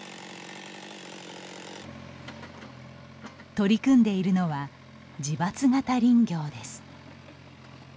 取り組んでいるのは自伐型林業です。